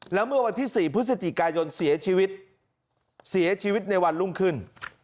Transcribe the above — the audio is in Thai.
แล้วเมื่อวันที่๔พฤศจิกายนเสียชีวิตในวันรุ่งขึ้น